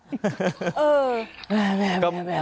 ถ้าทำเสียงก็จะสาวทำไมล่ะเนี่ย